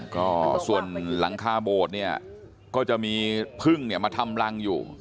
ก็ส่วนหลังคาโบสถ์เนี่ยก็จะมีพึ่งเนี่ยมาทำรังอยู่